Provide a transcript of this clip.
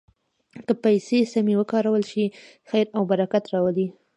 که پیسې سمې وکارول شي، خیر او برکت راولي.